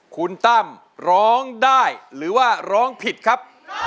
คุณตั้มร้องได้หรือว่าร้องผิดครับ